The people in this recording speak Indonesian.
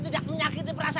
tidak menyakiti perasaan